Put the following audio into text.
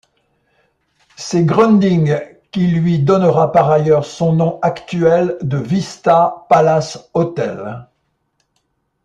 C’est Grundig qui lui donnera par ailleurs son nom actuel de Vista Palace Hôtel.